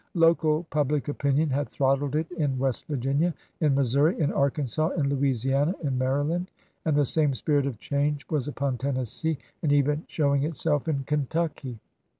Local public opinion had throttled it in West Virginia, in Missouri, in Arkansas, in Louisi ana, in Maryland; and the same spirit of change was upon Tennessee, and even showing itself in Kentucky.